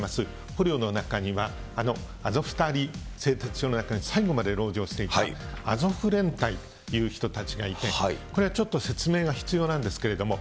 捕虜の中には、アゾフスターリ製鉄所の中に最後までろう城していたアゾフ連隊という人たちがいて、これはちょっと説明が必要なんですけれども。